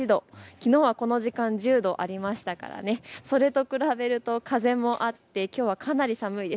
きのうはこの時間１０度ありましたから、それと比べると風もあってきょうはかなり寒いです。